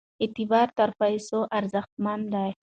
اعتبار تر پیسو ارزښتمن دی.